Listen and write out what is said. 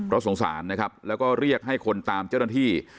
ก็สงสารนะครับแล้วก็เรียกให้คนตามเจ้าหน้าที่